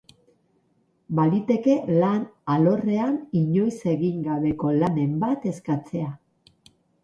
Baliteke lan alorrean inoiz egin gabeko lanen bat eskatzea.